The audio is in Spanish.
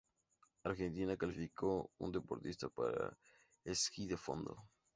Argentina calificó un deportista para esquí de fondo.